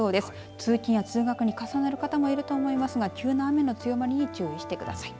通勤や通学に重なる方もいると思いますが急な雨の強まりに注意してください。